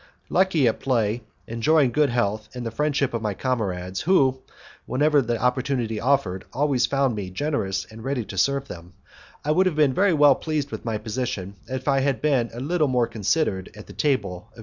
Lucky at play, enjoying good health and the friendship of my comrades, who, whenever the opportunity offered, always found me generous and ready to serve them, I would have been well pleased with my position if I had been a little more considered at the table of M.